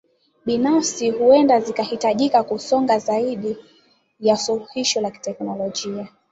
kibinafsi huenda zikahitajika kusonga zaidi ya suluhisho la kiteknolojia